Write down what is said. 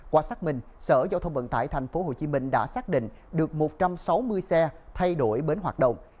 qua xác minh sở giao thông vận tải tp hcm đã xác định được một trăm sáu mươi xe thay đổi bến hoạt động